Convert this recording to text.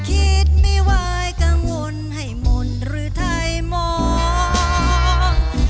คิดไม่ไหวกังวลให้มนต์หรือไทยมอง